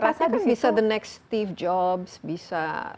tapi karir petnya kan bisa the next steve jobs bisa